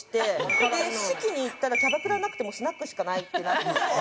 志木に行ったらキャバクラなくてスナックしかないってなって。